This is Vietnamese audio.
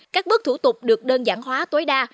các bước thủ tục được đơn giản hóa tối đa